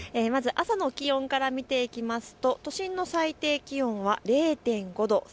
朝の気温から見ていきますと都心の最低気温は０．５度。